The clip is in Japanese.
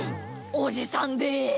おじさんです！